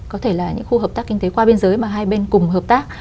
có thể là những khu hợp tác kinh tế qua biên giới mà hai bên cùng hợp tác